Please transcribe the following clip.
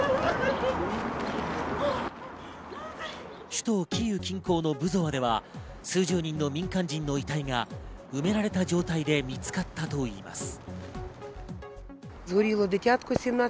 首都キーウ近郊のブゾワでは数十人の民間人の遺体が埋められた状態で見つかったといいます。